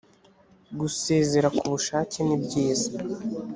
gusezera k ubushake nibyiza